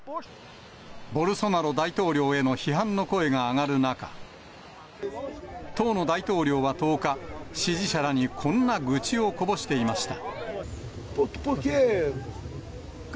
ボルソナロ大統領への批判の声が上がる中、当の大統領は１０日、支持者らにこんな愚痴をこぼしていました。